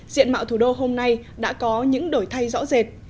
diện mạo thủ đô hôm nay đã có những đổi thay rõ rệt